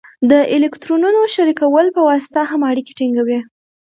د الکترونونو شریکولو په واسطه هم اړیکې ټینګوي.